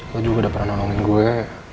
lo juga udah pernah nolongin gue